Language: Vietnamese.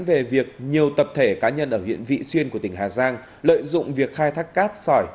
về việc nhiều tập thể cá nhân ở huyện vị xuyên của tỉnh hà giang lợi dụng việc khai thác cát sỏi